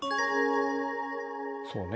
そうね